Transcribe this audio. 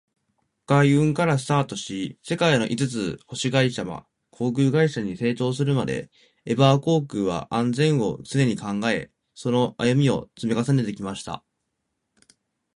海運からスタートし、世界の五つ星航空会社に成長するまで、エバー航空は「安全」を常に考え、その歩みを積み重ねてきました。